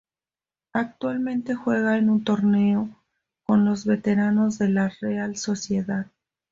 Actualmente juega en un torneo, con los veteranos de la Real Sociedad.